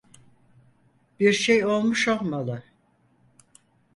Bir şey olmuş olmalı.